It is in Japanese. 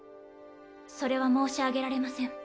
それは申し上げられません。